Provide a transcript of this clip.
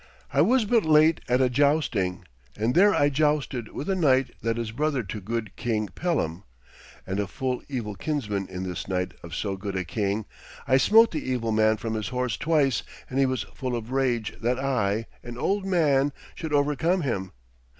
I was but late at a jousting, and there I jousted with a knight that is brother to good King Pellam. And a full evil kinsman is this knight of so good a king. I smote the evil man from his horse twice, and he was full of rage that I, an old man, should overcome him.